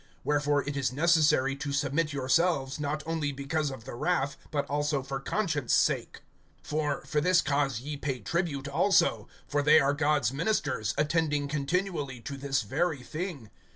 (5)Wherefore it is necessary to submit yourselves, not only because of the wrath, but also for conscience' sake. (6)For, for this cause ye pay tribute also; for they are God's ministers, attending continually to this very thing.